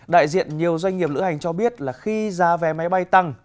đại diện nhiều doanh nghiệp lữ hành cho biết là khi giá vé máy bay tăng